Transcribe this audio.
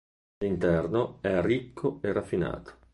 L'interno è ricco e raffinato.